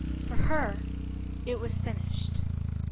For her it was finished.